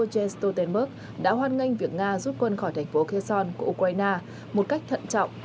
george stoltenberg đã hoan nghênh việc nga rút quân khỏi thành phố kherson của ukraine một cách thận trọng